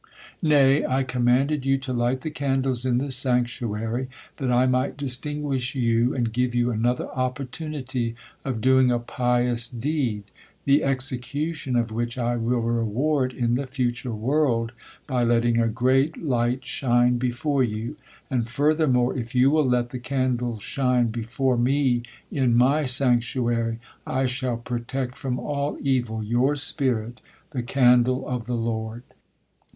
Nay, I commanded you to light the candles in the sanctuary that I might distinguish you and give you another opportunity of doing a pious deed, the execution of which I will reward in the future world by letting a great light shine before you; and, furthermore, if you will let the candles shine before Me in My sanctuary, I shall protect from all evil your spirit, 'the candle of the Lord.'"